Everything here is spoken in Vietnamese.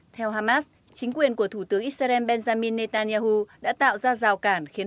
theo hamas chính quyền của thủ tướng israel benjamin netanyahu đã tạo ra rào cản